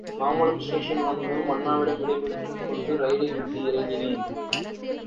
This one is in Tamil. மாம்பலம் ஸ்டேஷன் வந்ததும் அண்ணாவிடம் விடைபெற்றுக்கொண்டு ரயிலைவிட்டு இறங்கினேன்.